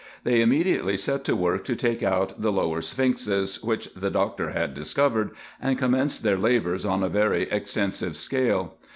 They immediately set to work to take out the lower Sphinxes, which the Doctor had discovered, and commenced their labours on a very extensive scale.